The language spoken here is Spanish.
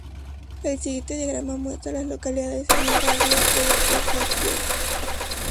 El siguiente diagrama muestra a las localidades en un radio de de Hodges.